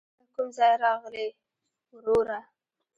ته له کوم ځايه راغلې ؟ وروره